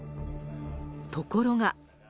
ところが。